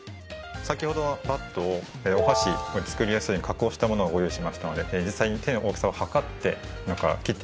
先ほどはバットをお箸が作りやすいように加工したものをご用意しましたので実際に手の大きさを測って今から切っていこうと思います。